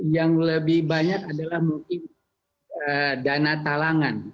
yang lebih banyak adalah mungkin dana talangan